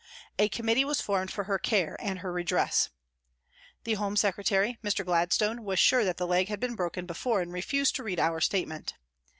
A committee was formed for her care and her redress. The Home Secretary, Mr. Gladstone, was sure that the leg had been broken before and refused to read our statement.